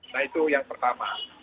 nah itu yang pertama